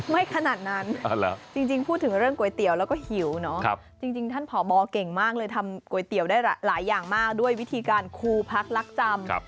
ขนาดนั้นจริงพูดถึงเรื่องก๋วยเตี๋ยวแล้วก็หิวเนอะจริงท่านผอบอเก่งมากเลยทำก๋วยเตี๋ยวได้หลายอย่างมากด้วยวิธีการครูพักลักจำ